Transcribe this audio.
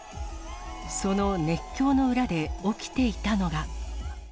その熱狂の裏で起きていたのが。